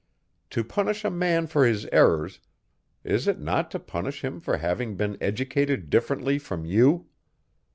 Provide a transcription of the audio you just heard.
To punish a man for his errors, is it not to punish him for having been educated differently from you?